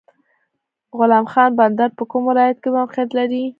غلام خان بندر په کوم ولایت کې موقعیت لري؟